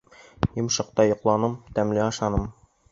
Йомшаҡта йоҡланым, тәмле ашаным.